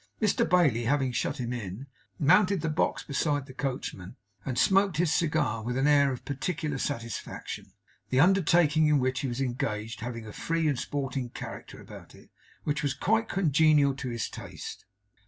Mr Bailey, having shut him in, mounted the box beside the coachman, and smoked his cigar with an air of particular satisfaction; the undertaking in which he was engaged having a free and sporting character about it, which was quite congenial to his taste.